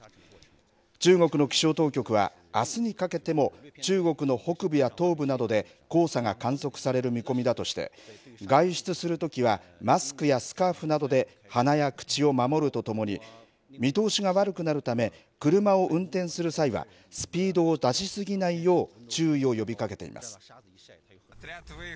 中国の気象当局は、あすにかけても中国の北部や東部などで、黄砂が観測される見込みだとして、外出するときはマスクやスカーフなどで、鼻や口を守るとともに、見通しが悪くなるため、車を運転する際は、スピードを出し過ぎないよう注意を呼びかけています。